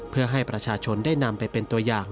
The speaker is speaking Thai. เพื่อให้ประชาชนได้นำไปเป็นตัวอย่าง